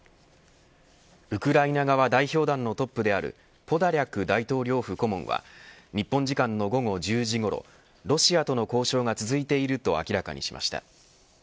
ウクライナ側代表団のトップであるポドリャク大統領府顧問は日本時間の午後１０時ごろロシアとの交渉が続いていると明らかにしました。